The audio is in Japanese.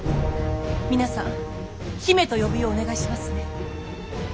皆さん姫と呼ぶようお願いしますね。